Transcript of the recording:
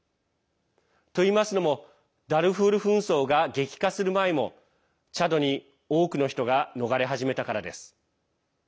といいますのもダルフール紛争が激化する前もチャドに多くの人が逃れ始めたからです。